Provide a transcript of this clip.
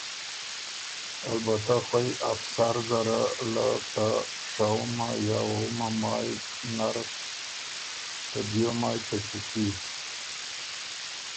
البته خوئ افسر زره له شهُمه یا وووُمه مائ نر ته دیو مائ ته چُوټي